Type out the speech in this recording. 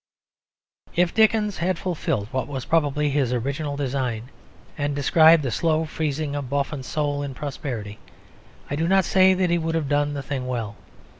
If Dickens had fulfilled what was probably his original design, and described the slow freezing of Boffin's soul in prosperity, I do not say that he would have done the thing well.